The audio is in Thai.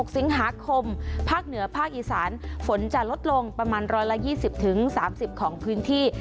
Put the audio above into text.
๖สิงหาคมภาคเหนือภาคอีสานฝนจะลดลงประมาณ๑๒๐๓๐ของพื้นที่